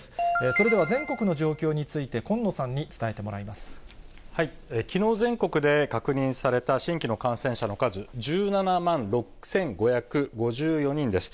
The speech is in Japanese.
それでは全国の状況について、きのう、全国で確認された新規の感染者の数、１７万６５５４人です。